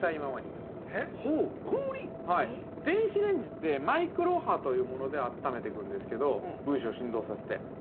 ◆電子レンジってマイクロ波というもので温めていくんですけど分子を振動させて。